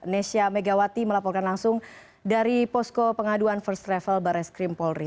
nesya megawati melaporkan langsung dari posko pengaduan first travel barreskrim polri